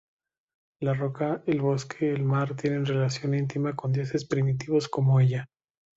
La roca, el bosque, el mar, tienen relación íntima con dioses primitivos como ella.